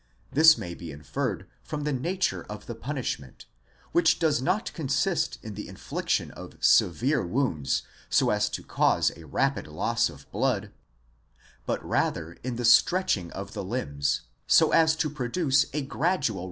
This may be inferred from the nature of the punishment, which does not consist in the infliction of severe wounds so as to cause a rapid loss of blood, but rather in the stretching of the limbs, so as to produce a gradual